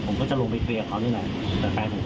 ผมก็จะลงไปเคลียร์เขานี่แหละแต่แฟนผมเขาก็ห้ามไม่ให้ลงไป